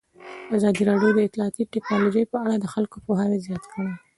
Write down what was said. ازادي راډیو د اطلاعاتی تکنالوژي په اړه د خلکو پوهاوی زیات کړی.